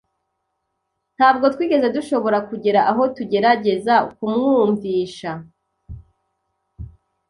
Ntabwo twigeze dushobora kugera aho tugerageza kumwumvisha.